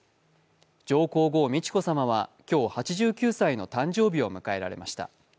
上皇后美智子さまは今日、８９歳の誕生日を迎えられました。